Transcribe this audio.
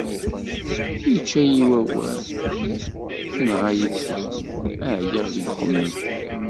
Ičča-yi wawal, tenɣa-yi tsusmi, εyiɣ deg uxemmem.